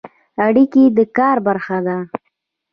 اړیکې د کار برخه ده